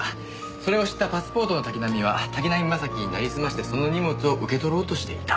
それを知ったパスポートの滝浪は滝浪正輝になりすましてその荷物を受け取ろうとしていた。